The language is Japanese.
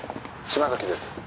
「島崎です」